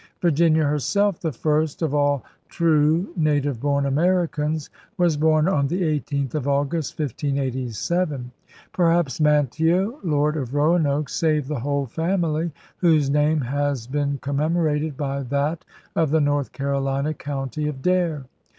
Virginia herself, the first of all true 'native born' Americans, was born on the 18th of August, 1587. Perhaps Manteo, 'Lord of Roanoke, ' saved the whole family whose name has been commemorated by that of the North Carolina county of Dare.